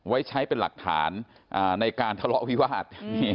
ไว้ใช้เป็นหลักฐานในการทะเลาะวิวาส